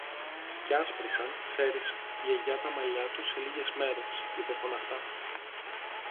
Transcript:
Και άσπρισαν, ξέρεις, Γιαγιά, τα μαλλιά του σε λίγες μέρες, είπε φωναχτά.